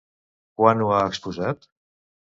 Quan ho ha exposat?